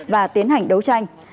và tiến hành đấu tranh